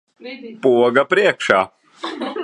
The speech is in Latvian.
Poga priekšā.